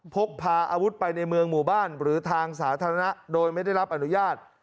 พกพาอาวุธไปในเมืองหมู่บ้านหรือทางสาธารณะโดยไม่ได้รับอนุญาต